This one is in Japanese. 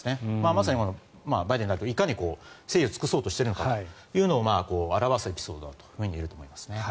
まさにバイデン大統領いかに誠意を尽くそうとしているのかというのを表すエピソードだと思いますね。